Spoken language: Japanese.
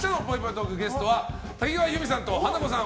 トークゲストは多岐川裕美さんと華子さん